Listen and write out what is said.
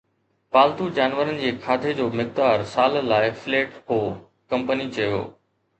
پالتو جانورن جي کاڌي جو مقدار سال لاء فليٽ هو، ڪمپني چيو